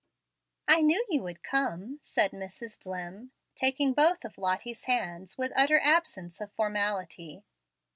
"I knew you would come," said Mrs. Dlimm, taking both of Lottie's hands with utter absence of formality.